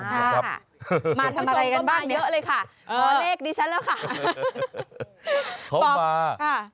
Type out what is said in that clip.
มาทำอะไรกันบ้างเนี่ย